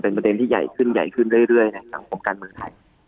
เป็นประเด็นที่ใหญ่ขึ้นใหญ่ขึ้นเรื่อยในสังคมการเมืองไทย